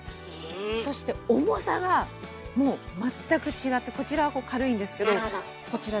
そして重さがもう全く違ってこちらは軽いんですけどこちら